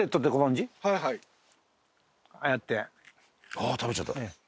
「ああ食べちゃった」